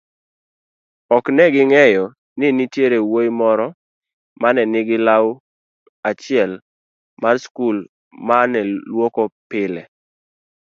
ok neging'eyo ni nitiere wuoyi moro manenigi lau achielmarskulmaneluokopile